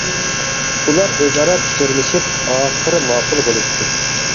ئۇلار ئۆزئارا پىچىرلىشىپ، ئاخىر ماقۇل بولۇشتى.